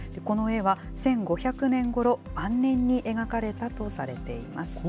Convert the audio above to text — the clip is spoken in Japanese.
この絵は１５００年ごろ、晩年に描かれたとされています。